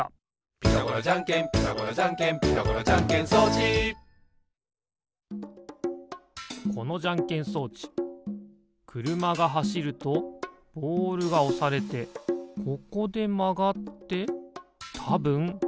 「ピタゴラじゃんけんピタゴラじゃんけん」「ピタゴラじゃんけん装置」このじゃんけん装置くるまがはしるとボールがおされてここでまがってたぶんグーがでる。